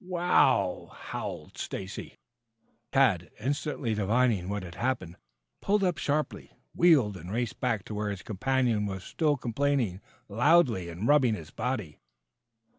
"Wow!" howled Stacy. Tad, instantly divining what had happened, pulled up sharply; wheeled and raced back to where his companion was still complaining loudly and rubbing his body.